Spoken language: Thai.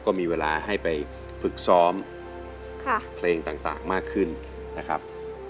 ก็มีเวลาให้ไปฝึกซ้อมเพลงต่างมากขึ้นนะครับ